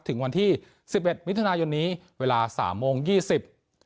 ถึงวันที่สิบเอ็ดมิถุนายนนี้เวลาสามโมงยี่สิบ